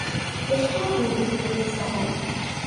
Acḥal n tmeddukal ay tesɛiḍ?